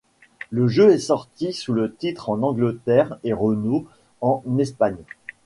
Le jeu est sorti sous le titre en Angleterre et Renaud en Espagne.